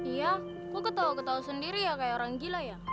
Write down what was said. iya aku ketawa ketahu sendiri ya kayak orang gila ya